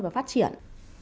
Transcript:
và phát triển